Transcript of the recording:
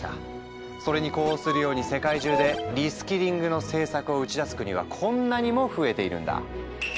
それに呼応するように世界中でリスキリングの政策を打ち出す国はこんなにも増えているんだ。